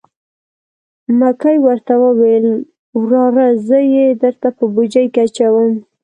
مکۍ ورته وویل: وراره زه یې درته په بوجۍ کې اچوم.